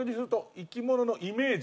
生き物のイメージ？